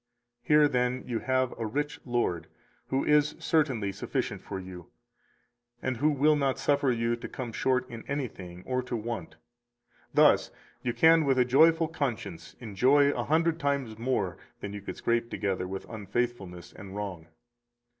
Here, then, you have 253 a rich Lord, who is certainly sufficient for you, and who will not suffer you to come short in anything or to want; thus you can with a joyful conscience enjoy a hundred times more than you could scrape together with unfaithfulness and wrong.